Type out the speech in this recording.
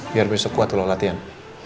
biar besok kuat lo latihan